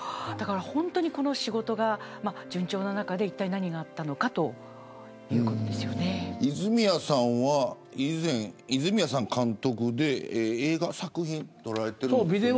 本当に仕事が順調な中でいったい何があったのか泉谷さんは以前泉谷さん監督で映画作品を撮られているんですよね。